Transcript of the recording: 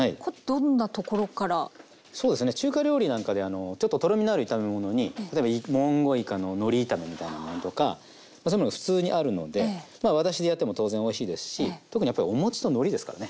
中華料理なんかでちょっととろみのある炒め物に例えばモンゴウイカののり炒めみたいなものとかそういうものが普通にあるのでまあ和だしでやっても当然おいしいですし特にやっぱりお餅とのりですからね。